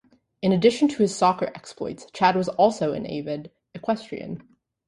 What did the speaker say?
In addition to his soccer exploits, Chad was also an avid equestrian.